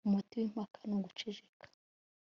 umuti w'impaka ni uguceceka